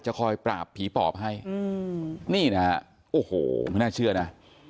คอยปราบผีปอบให้นี่นะฮะโอ้โหไม่น่าเชื่อนะ